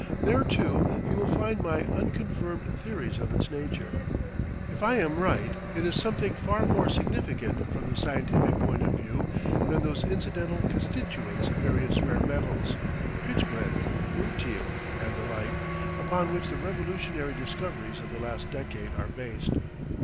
There, too, he will find my unconfirmed theories of its nature. If I am right it is something far more significant from the scientific point of view than those incidental constituents of various rare metals, pitchblende, rutile, and the like, upon which the revolutionary discoveries of the last decade are based.